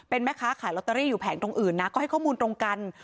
เป็นแม่ค้าขายลอตเตอรี่อยู่แผงตรงอื่นนะก็ให้ข้อมูลตรงกัน